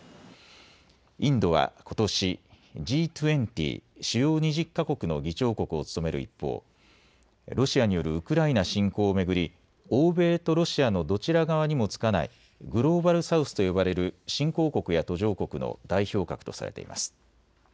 インドはことしＧ２０・主要２０か国の議長国を務める一方、ロシアによるウクライナ侵攻を巡り欧米とロシアのどちら側にもつかないグローバル・サウスと呼ばれる新興国や途上国の代表格とされています。